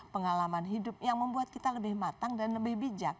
pengalaman hidup yang membuat kita lebih matang dan lebih bijak